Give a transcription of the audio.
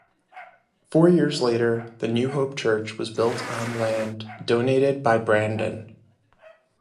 Four years later, the New Hope Church was built on land donated by Brandon.